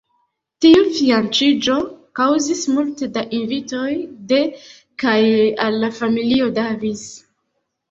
Tiu fianĉiĝo kaŭzis multe da invitoj de kaj al la familio Davis.